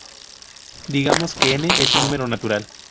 Digamos que "n" es un número natural.